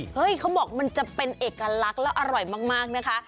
เขาบอกมันจะเป็นเอกลักษณ์แล้วอร่อยมากนะคะ